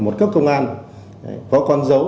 một cấp công an có con dấu